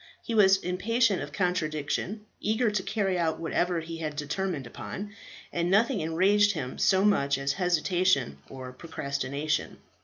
He was impatient of contradiction, eager to carry out whatever he had determined upon; and nothing enraged him so much as hesitation or procrastination.